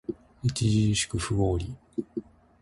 著しく不合理